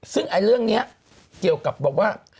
ซึ่งอันนี้เกี่ยวกับว่า